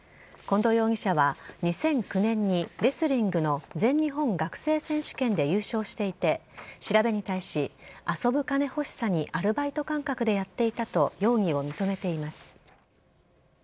近藤容疑者は２００９年にレスリングの全日本学生選手権で優勝していて調べに対し遊ぶ金欲しさにアルバイト感覚でやっていたと容疑を認めています。